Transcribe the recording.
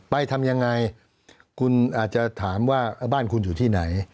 ไปทำยังไงคุณอาจจะถามว่าบ้านคุณอยู่ที่ไหน